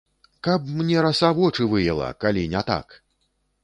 Каб мне раса вочы выела, калі не так!